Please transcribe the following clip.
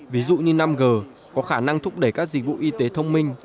ví dụ như năm g có khả năng thúc đẩy các dịch vụ y tế thông minh